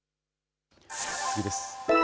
次です。